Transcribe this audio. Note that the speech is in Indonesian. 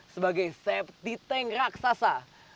sebagai septi tank raksasa